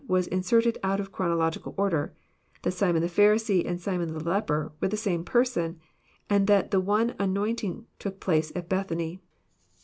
was in serted out of chronological order, — that Simon the Pharisee and Simon the leper were the same person, and that the one anoint ing took place at Bethany.